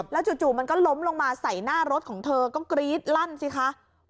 จู่มันก็ล้มลงมาใส่หน้ารถของเธอก็กรี๊ดลั่นสิคะ